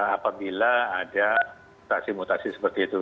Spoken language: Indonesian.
apabila ada mutasi mutasi seperti itu